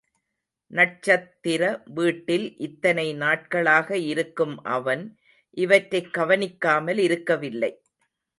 நட்சத்திர வீட்டில் இத்தனை நாட்களாக இருக்கும் அவன் இவற்றைக் கவனிக்காமல் இருக்கவில்லை.